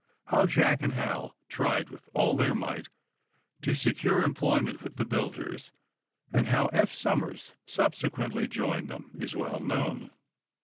How Jack and Hal tried, with all their might, to secure employment with the builders, and how Eph Somers subsequently joined them, !£•. well known.